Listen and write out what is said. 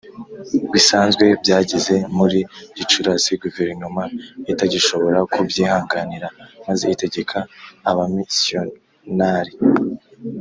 bisanzwe Byageze muri Gicurasi guverinoma itagishobora kubyihanganira maze itegeka abamisiyonari